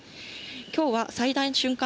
きょうは最大瞬間